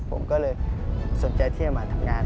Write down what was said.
ผมก็เลยสนใจที่จะมาทำงาน